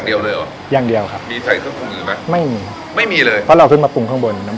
เมื่อก่อนทำเองเดี๋ยวนี้ไม่ทำน่ะครับทำไม่ไหวแล้วครับครับผม